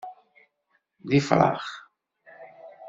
D ifṛax.